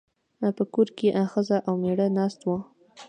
په کور کې ښځه او مېړه ناست وو.